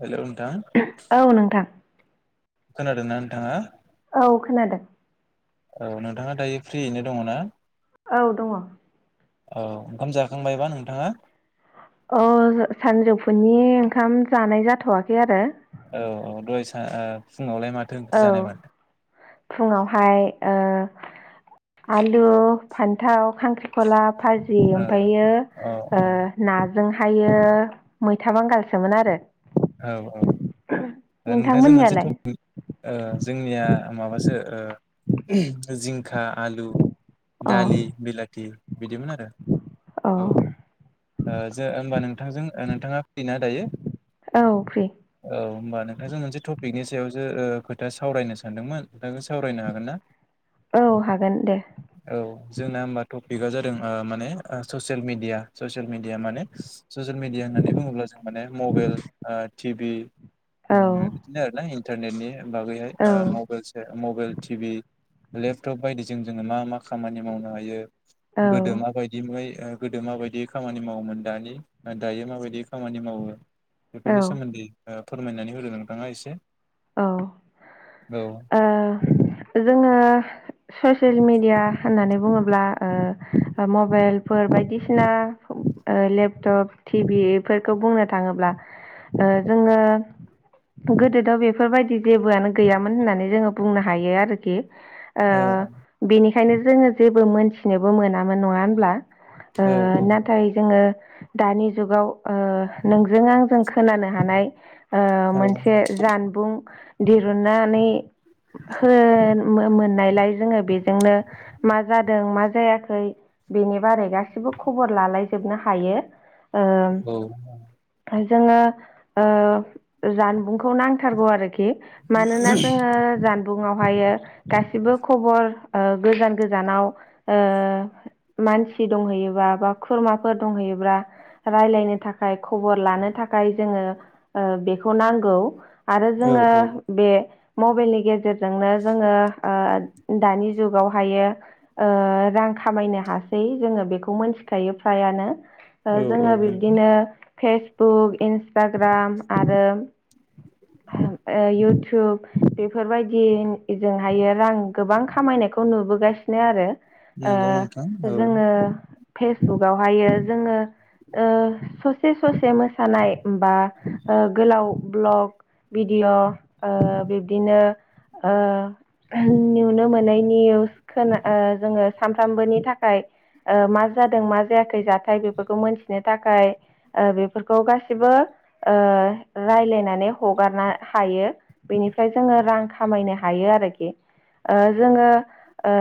हेल' नोंथां। औ नोंथां खोनादों ना नोंथाङा? औ खोनादों। औ नोंथाङा दायो फ्रियैनो दङ ना? औ दङ। औ ओंखाम जाखांबायबा नोंथाङा? अ सा-सानजौफुनि ओंखाम जानाय जाथ'वाखै आरो। औ औ दहाय सा ओ फुङावलाय माथो ओंख्रि औ जानायमोन फुङावहाय ओ आलु फान्थाव खांख्रिखलाब फाजि औ ओमफायो औ ओ ना जोंहायो मैथा बांगालसोमोन आरो। औ औ ओ नोंथां जों मोनसे नोंथांमोननियालाय टपिक ओ जोंनिया ओ माबासो ओ जिंखा आलु अ दालि बिलाथि बिदिमोन आरो। औ। ओ जो होमबा नोंथांजो ओ नोंथाङा फ्रि ना दायो? औ फ्रि। औ होमबा नोंथांजों मोनसे टपिकनि सायावसो ओ खोथा सावरायनो सानदोंमोन नोंथांजों सावरायनो हागोन ना? औ हागोन दे औ जोंना होमबा ट' बियो जादों ओ माने ओ ससियेल मेडिया ससियेल मिडिया माने ससियेल मिडिया होननानै बुङोब्ला जों माने मबाइल ओ टिभि औ उम बिदिनो आरोना इन्टारनेटनि बागैहाय औ ओ मबाइल सो मबाइल टि भि लेपटप बायदिजों जोङो मा मा खामानि मावनो हायो औ गोदो मा बायदियै ओ गोदो माबायदि खामानि मावोमोन दानि ओ दायो माबायदि खामानि मावो औ बेफोरनि सोमोन्दै ओ फोरमायनानै होदो नोंथाङा एसे। औ औ ओ जोङो ससियेल मेडिया होननानै बुङोब्ला ओ ओ मबाइलफोर बायदिसिना ओ लेपटप टि भि बेफोरखौ बुंनो थाङोब्ला ओ जोङो गोदोथ' बे फोरबायदि जेबोआनो गैयामोन होननानै जोङो बुंनो हायो आरोखि। ओ औ बिनि खायनो जोङो जेबो मोनथिनोबो मोनामोन नङा होनब्ला ओ औ नाथाय जोङो दानि जुगाव ओ नोंजों आंजों खोनानो हानाय ओ औ मोनसे जानबुं दिरुनानै होन मो-मोन लायलाय जोङो बेजोंनो मा जादों मा जायाखै बेनि बारै गासिबो खबर लालायजोबनो हायो। औ। जोङो ओ जानबुंखौ नां थारगौ आरोखि मानोना जोङो जानबुंआवहायो गासिबो खबर ओ गोजान गोजानाव ओ मानसि दंहैयोबा बा खुरमाफोर दंहैयोब्ला रायलायनो थाखाय खबर लानो थाखाय जोङो ओ बेखौ नांगौ आरो औ जोङो औ बे मबाइलनि गेजेरजोंनो जोङो ओ दानि जुगावहायो ओ रां खामायनो हासै जोङो बेखौ मोनथिखायो फ्रायानो। ओ औ जोङो नंगौ बिब्दिनो फेसबुक इन्सटाग्राम आरो [inaudible] ओ इउटुब बेफोरबायदि इजोंहायो रां गोबां खामायनायखौ नुबोगास सिनो आरो ओ नंगौ नोंथां औ जोङो फेसबुकआवहायो जोङो ओ ससे ससे मोसानाय बा ओ ओ गोलाव ब्लग भिडिअ' ओ बिब्दिनो ओ नुनो मोनैनिउस खोन जोङो सानफ्रामबोनि थाखाय ओ मा जादों मा जायाखै जाथाय बेफोरखौ मोनथिनो थाखाय ओ बेफोरखौ गासिबो ओ राय्लायनानै हगारनो हायो बेनिफ्राय जोङो रां खामायनो हायो आरोखि। ओ जोङो ओ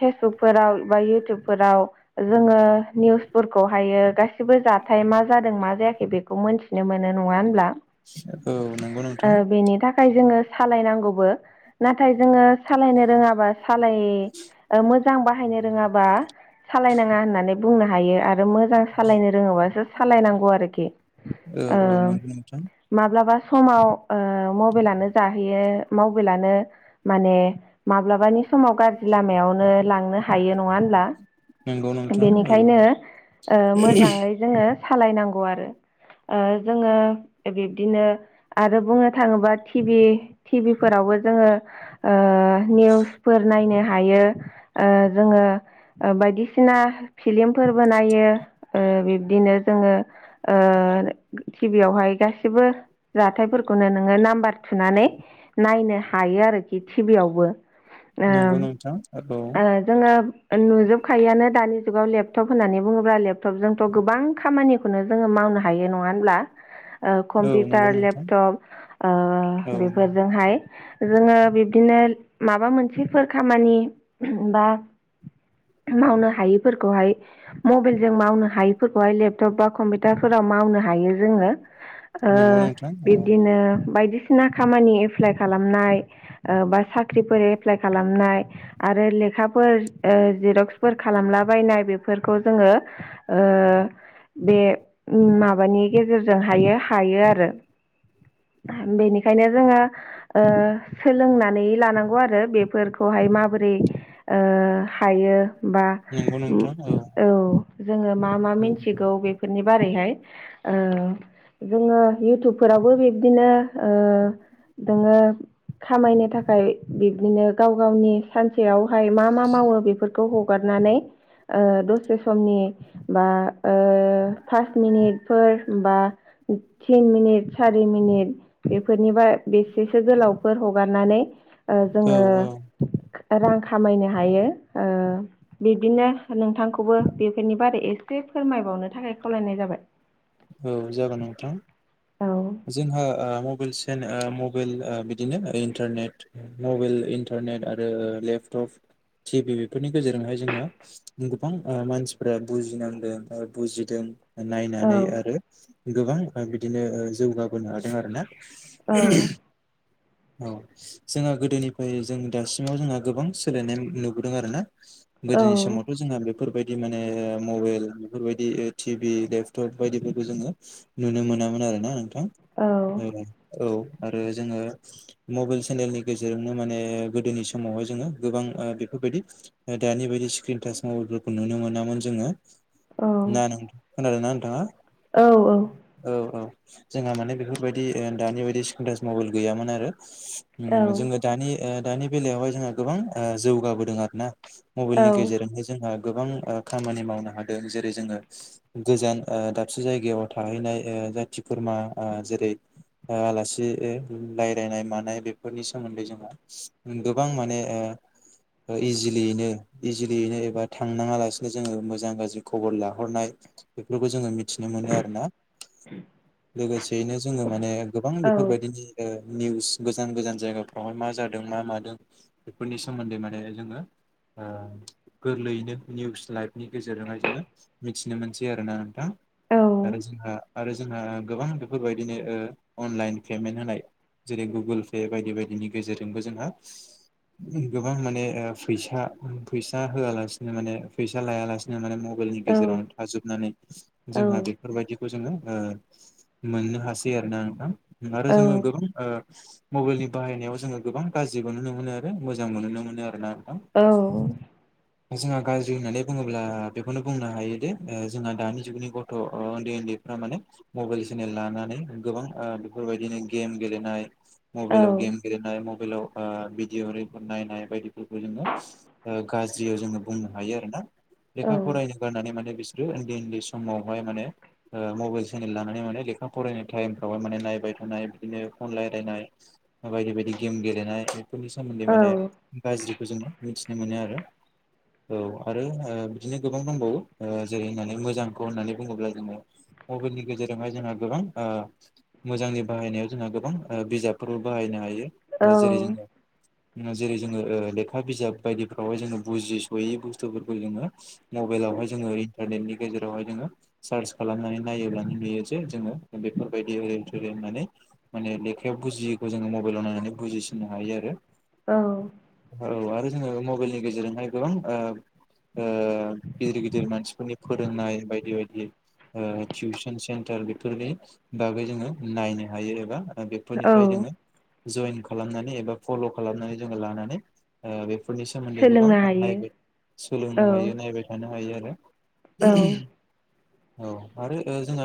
फेसबुकफोराव बा इउटुबफोराव जोङो निउसफोरखौहायो गासिबो जाथाय मा जादों मा जायाखै बेखौ मोनन्थिनो मोनो नङा होनोमब्ला? औ नंगौ ओ नोंथां बेनि थाखाय जोङो सालायनांगौबो नाथाय जोङो सालायनो रोङाबा सालाय ओ मोजां बाहायनो रोङाबा सालायनाङा होननानै बुंनो हायो आरो मोजां सालायनो रोङोबासो सालायनांगौ आरोखि औ ओ औ नंगौ नोंथां माब्लाबा समाव ओ मबाइेलानो जाहैयो मबाइेलानो माने माब्लाबानि समाव गाज्रि लामायावनो लांनो हायो नङा होनब्ला नंगौ नोंथां औ बेनिखायनो ओ मोजाङै जोङो सालायनांगौ आरो ओ जोङो बिब्दिनो आरो बुंनो थाङोबा टिभि टिभिफोरावबो जोङो ओ निउसफोर नायनो हायो ओ जोङो ओ बायदिसिना फिल्मफोरबो नायो ओ ओ बिब्दिनो जोङो ओ टि भि यावहाय गासिबो जाथायफोरखौनो नोङो नाम्बार थुनानै नायनो हायो आरोखि टिभि आयावबो नंगौ ओम नोंथां औ जोङो नुजोबखायोआानो दानि जुगाव लेपटप होननानै बुङोब्ला लेपटपजोंथ' गोबां खामानिखौनो जोङो माव नो हायो नङा होनब्ला ओ औ नंगौ कम्पिउटार नोंथां लेपटप ओ औ बेफोरजोंहाय जोङो बिब्दिनो माबा मोनसेफोर खामानि बा मावनो हायैफोरखौहाय मबाइलजों मावनो हायैफोरखौहाय लेपटप बा कम्पिउटारफोराव मावनो हायो जोङो ओ नोंगौ नोंथन बिब्दिनो बायदिसिना खामानि एप्लाइ खालामनाय ओ आरो लेखाफोर ओ जिरक्सफोर खालामलाबायनाय बेफोरखौ जोङो ओ बे माबानि गेजेरजों हायो हायो आरो [inaudible] बेनिखायनो जोङो ओ सोलोंनानै लानांगौ आरो बेफोरखौहाय माबोरै बोरै ओ हायो बा नंगौ नोंथां औ जो मा मा मिथिग बेफोरनि बारैहाय ओ जोङो उटुब फोरावबो बिब्दिनो ओ नोङो खामायनो थाखाय बिब बिदिनो गाव गावनि सानसेयावहाय मा मा मावो बेफोरखौ हगारनानै ओ दसे समनि बा ओ पास मिनिटफोर बा थिन मिनिट सारि मिनिट बेफोरनि बार बेसेसो गोलावफोर हगारनानै ओ औ जोङो रां खामायनो हायो ओ बिब्दिनो नोंथांखौबो बेफोरनि बारै एसे फोरमायबावनो थाखाय खावलायनाय जाबाय औ जागोन नोंथां औ जोंहा ओ म गुगोल सेन ओ मबाइेल ओ बिदिनो इन्टारनेट मबेल इन्टारनेट आरो लेपटप टिभि बेफोरनि गेजेरजोंहाय जोंङहा गोबां ओ मानसिफोरा बुजिनांदों ओ बुजिदों औ नायनानै ओ गोबां ओ बिदिनो ओ जौगाबोनो हादों आरोना औ औ जोंहा गोदोनिफ्राय जों दासिमाव जोंहा गोबां सोलायनाय नुबोदों आरो ना औ गोदोनि समावथ' जोंहा बेफोरबाय दि माने मबाइल बेफोरबायदि टिभि लेपटप बायदि जोङो नुनो मोनामोन आरोना नोंथां औ औ आरो जोङो मबाइल सेनेलनि गेजेरजोंनो माने गोदोनि समावहाय जोङो गोबां बे फोरबायदि दानि बायदि स्क्रिन टाच मबाइलफोरखौ नुनो मोनामोन जोङो, औ ना नोंथां खोनादोंना नोंथाङा औ औ औ जोंहा माने बेफोरबायदि दानि बायदि स्क्रिन टाच मबाइल गैयामोन आरो औ ओम जोङो दानि ओ दानि बेलायावहाय जोंहा गोबां ओ जौगाबोदों आरो ना औ मबाइलनि गेजेरजोंहाय जोंहा गोबां ओ खामानि मावनो हादों। जेरै जोङो गोजान ओ दाबसे जायगायाव थाहैनाय जाथि खुरमा ओ जेरै आलासि रायलायनाय मानाय बेफोरनि सोमोन्दै जोंहा गोबां माने ओ [inaudible] इजिलियैनो इजिलियैनो एबा थांनाङा लासिनो जोङो मोजां गाज्रि खबर लाहरनाय बेफोरखौ जोङो मि थिनो मोनो आरोना। लोगोसेयैनो जोङो माने गोबां औ बेफोरबायदिनि ओ निउस गोजान गोजान जायगाफ्रावहाय मा जादों मा मादों बेफोरनि सोमोन्दै माने जोङो ओ गोरलैयैनो निउस लाइभनि गेजेरजोंहाय जोङो मिथिनो मोनसै आरोना नोंथां। आरो जोंहा आरो जोंहा गोबां बेफोरबायदिनो ओ अनलाइन पेमेन्ट होनाय जेरै गुगोल पे बायदि बायदिनि गेजेरजोंबो जोंहा गोबां माने ओ फैसा फैसा होआलासिनो माने फैसा लायालासिनो माने म बाइलनि गेजेरावनो थाजोबनानै जोंहा बेफोरबायदि खौ जोङो ओ मोननो हासै आरोना नोंथां। आरो जोङो गोबां ओ मबाइलनि बाहायनायाव जोङो गोबां गाज्रिबो नुनो मोनो आरो मोजांबो नुनो मोनो आरो ना। औ जोंहा गाज्रि होननानै बुङोब्ला बेखौनो बुंनो हायो दि जोंहा दानि जुगनि गथ' उन्दै उन्दैफ्रा माने मबाइल सेनेल लानानै गोबां ओ बेफोरबायदिनो गेम गेलेनाय मबाइलाव गेम गेलेनाय म बेलाव भिडिअ' रिपर नायनाय बायदिफोरखौ जोङो गाज्रियाव जोङो बुंनो हायो आरोना। लेखा फरायनो गारनानै माने बिसोरो ओनदै ओनदै समावहाय माने ओ मबाइल सेनेल लानानै माने लेखा फरायनाय टाइमफ्रावहाय माने नायबाय थानाय। बिदिनो फन रायलायनाय बायदि बायदि गेम गेलेनाय बेफोरनि सोमोन्दै माने गाज्रि खौ जोङो मिथिनो मोनो आरो। औ आरो ओ बिदिनो गोबां दंबावो जेरै होननानै मोजां खौ होननानै बुङोब्ला जोङो मबाइलनि गेजेरजोंहाय जोंहा गोबां मोजांनि बाहायनायाव जोंहा गोबां बिजाबफोरबो बाहायनो हायो औ जेरै जोङो जेरै जोङो ओ लेखा बिजाब बायदिफ्रावहाय जोङो बुजिसयै बुस्थुफोरखौ जोङो मबाइलाव बेहाय जोङो इन्टारनेटनि गेरजों बेवहाय जोङो सार्च खालामनानै नायोब्लानो नुयो जे जोङो बेफोरबायदि ओरै थोरै होननानै माने लेखायाव बुजियैखौ जोङो मबाइलाव नायनानै बुजिसिननो हायो आरो। औ औ आरो जोङो मबाइलनि गेजेरजोंहाय गोबां ओ ओ गिदिर गिदिर मानसिफोरनि फो रोंनाय बायदि बायदि ओ टिउसन सेन्टार बेफोरनि बागै जोङो नायनो हायो एबा औ बेफोरनिफ्राय जोङो जयेन खालामनानै एबा फल' खालामनानै जोङो लानानै ओ बे फोरनि सोमोन्दै गोबां सोलोंनो हायो नायनो औ सोलोंनो हायो नायबाय थानो हायो आरो। औ आरो ओ जोङो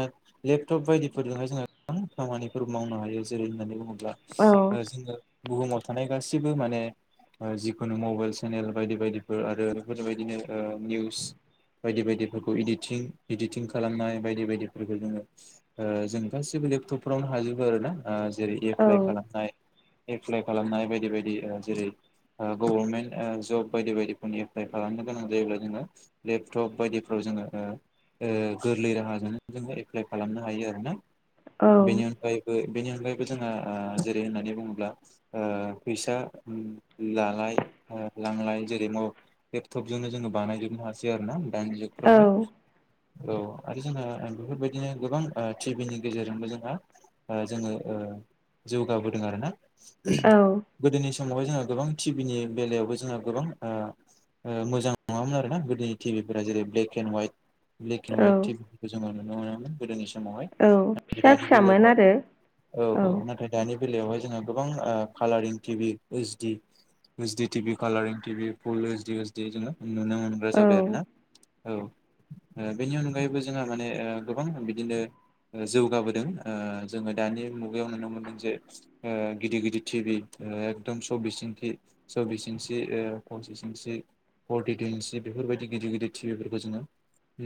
लेपटप बायदिफोरजोंहाय जोंहा गोबां खामानिफोर मावनो हायो जेरै होननानै बुङोब्ला औ जोङो बुहुमाव थानाय गासिबो माने जिखुनु मबाइल सेनेल बायदि बायदिफोर आरो बेफोरबायदिनो ओ निउस बायदि बायदि इदिंटिं इदिटिं खालामनाय बायदि बायदिफोरखौ जोङो जों गासिबो लेपटपफ्रावनो हाजोबो आरोना। जेरै एप्लाइ खालामनाय एप्लाइ खालामनाय बायदि बायदि जेरै गभर्नमेन्ट जब बायदि बायदिफोरनि एप्लाइ खालामनो गोनां जायोब्ला जोङो लेपटप बायदि फोराव जोङो गोरलै राहाजोंनो जोङो एप्लाइ खालामनो हायो आरोना। औ बेनि अनगायैबो बेनि अनगायैबो जोंहा जेरै होननानै बुङोब्ला फैसा लानाय लांलाय जेरै न लेपटप जोंनो जोङो बानायजोबनो हासै आरोना दाना। औ मबाइलफोरावहाय औ आरो जोंहा बेफोरबायदिनो गोबां टिभिनि गेजेरजोंबो जोंहा जोङो ओ जौगाबोदों आरोना औ गोदोनि समावहाय जोङो गोबां टिभिनि बेलायावबो जोंहा गोबां मोजां नङामोन आरो ना गोदोनि टिभिफोरा जेरै- ब्लेक ब्लेकेन वाइत ब्लेकन वाइट टिक गोजामानो नुनो मोनोमोन गोदोनि सम समाव हाय नाथाय फिसा दानि बेलायाव फिसामोन औ आरो औ नाथाय दानि बेलायावहाय जोङो गोबां ओ कालारिं टिभि ओइसडि ओइसडि टिभि खाालारिं टिभि फुल ओइसडि ओइसडियै जोङो नुनो मोनग्रा औ जाबाय आरो ना। औ बेनि अनगायैबो जोंहा माने ओ गोबां बिदिनो जौगाबोदों ओ जोङो दानि मुगायाव नुनो मोनदों जे गिदिर गिदिर टिभि एकदम सब्बिस इनसि सब्बिस इन्सि पसिस इन्सि पटिटुन्सि बेफोरबायदि गिदिर गिदिर टिभिफोरखौ जोङो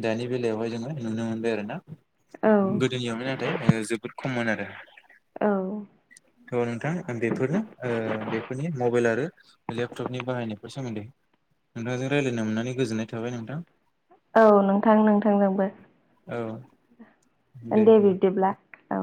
दानि बेलायावहाय जोङो नुनो मोनबाय आरो ना औ गोदोनियावनो नाथाय जोबोद खममोन आरो थ नोंथां बेफोरनो ओ बेफोरनि मबाइल आरो लेपटपनि बाहायनायफोर सोमोन्दै नोंथांजों रायज्लायनो मोननानै गोजोननाय थाबाय नोंथां औ नोंथां नोंथांजोंबो औ ए दे बिदिब्ला औ